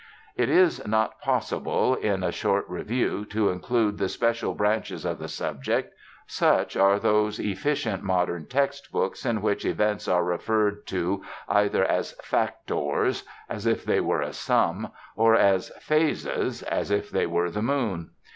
It is not possible in a short review to include the special branches of the subject. Such are those efficient modern text books, in which events are referred to either as "factors" (as if they were a sum) or as "phases" (as if they were the moon).